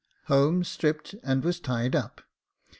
Holmes stripped and was tied up.